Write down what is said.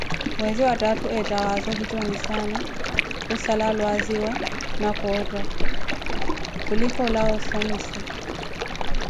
Mweze wa thaathu, eetha waza ohitxonissana, khussala alwaziwa na khootha, khulika oolawa ossomima